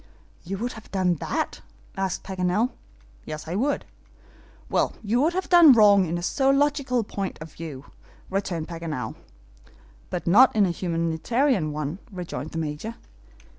"You would have done that?" asked Paganel. "Yes, I would." "Well, you would have done wrong in a zoological point of view," returned Paganel. "But not in a humanitarian one," rejoined the Major.